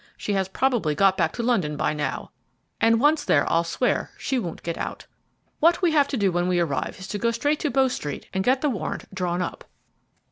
She has probably got back to London by now, and when once there I'll swear she won't get out. What we have to do when we arrive is to go straight to Bow Street and get the warrant drawn up."